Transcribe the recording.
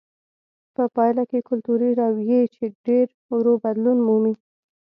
په پایله کې کلتوري رویې چې ډېر ورو بدلون مومي.